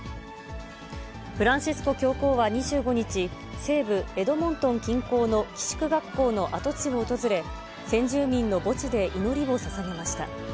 フランシスコ教皇は２５日、西部エドモントン近郊の寄宿学校の跡地を訪れ、先住民の墓地で祈りをささげました。